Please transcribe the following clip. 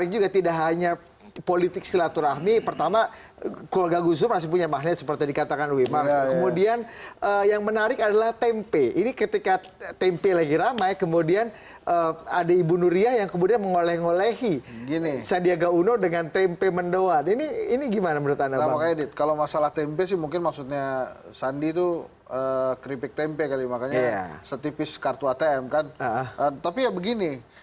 jokowi dan sandi